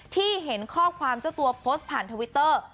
เห็นข้อความเจ้าตัวโพสต์ผ่านทวิตเตอร์